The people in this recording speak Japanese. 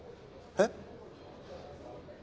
えっ！？